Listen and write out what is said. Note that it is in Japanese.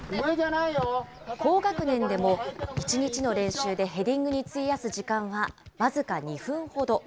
高学年でも１日の練習でヘディングに費やす時間は僅か２分ほど。